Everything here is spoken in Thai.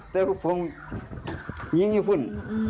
แต่ผมยิงญี่ปุ่น